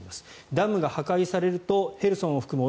ダムが破壊されるとヘルソンを含む